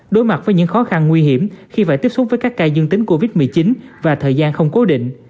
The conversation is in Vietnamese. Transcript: đối mặt với những khó khăn nguy hiểm khi phải tiếp xúc với các ca dương tính covid một mươi chín và thời gian không cố định